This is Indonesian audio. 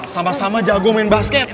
sama sama jago main basket